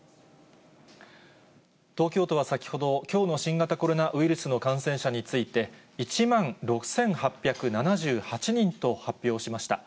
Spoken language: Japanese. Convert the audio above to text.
東京都は先ほど、きょうの新型コロナウイルスの感染者について、１万６８７８人と発表しました。